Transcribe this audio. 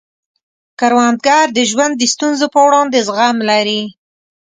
کروندګر د ژوند د ستونزو په وړاندې زغم لري